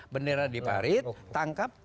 bendera di parit tangkap